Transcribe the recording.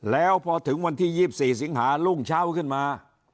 แล้วพอถึงวันที่๒๔สิงหารุ่งเช้าขึ้นมา